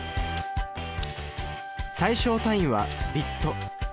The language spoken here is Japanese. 最小単位はビット。